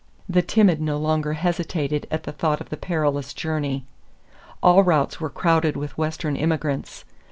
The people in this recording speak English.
The timid no longer hesitated at the thought of the perilous journey. All routes were crowded with Western immigrants.